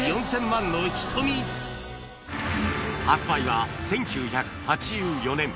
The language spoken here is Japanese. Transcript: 発売は１９８４年